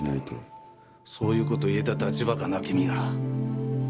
そういうこと言えた立場かな君が。